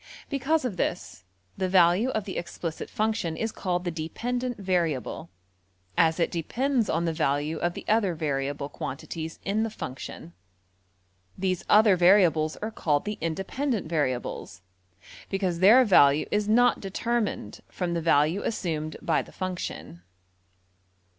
Because of this, the value of the explicit function is called the \emph{dependent variable}, as it depends on the value of the other variable quantities in the function; \DPPageSep{027.png}% these other variables are called the \emph{independent variables}\Pagelabel{indvar} because their value is not determined from the value assumed by the function.